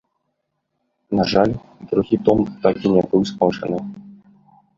На жаль, другі том так і не быў скончаны.